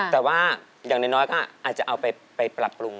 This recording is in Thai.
แต่ว่าอย่างน้อยก็อาจจะเอาไปปรับปรุง